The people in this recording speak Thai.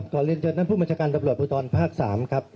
กรรลินเจู้ันทุนผู้มันชการตำรวจปุตรภาคสามครับ